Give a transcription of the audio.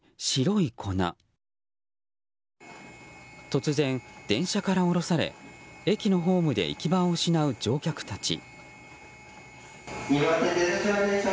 突然、電車から降ろされ駅のホームで行き場を失う乗客たち。